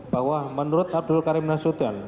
bahwa menurut abdul karim nasution